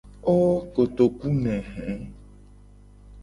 Oooooo kotoku ne hee!